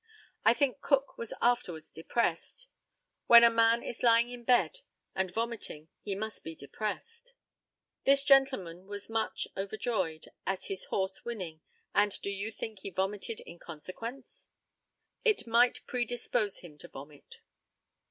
I think Cook was afterwards depressed. When a man is lying in bed and vomiting he must be depressed. This gentleman was much, overjoyed, at his horse winning, and you think he vomited in consequence? It might predispose him to vomit.